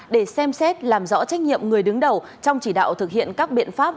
để xem xét làm rõ trách nhiệm người đứng đầu trong chỉ đạo thực hiện các biện pháp